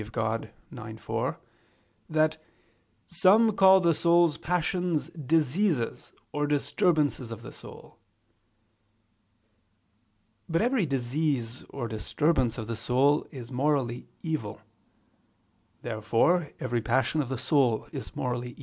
Dei ix, 4) that "some call the soul's passions diseases or disturbances of the soul" [*Cf. Q. 22, A. 2, footnote]. But every disease or disturbance of the soul is morally evil. Therefore every passion of the soul is evil morally.